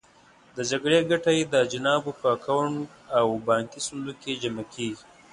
د جګړې ګټه یې د اجانبو په اکاونټ او بانکي صندوق کې جمع کېږي.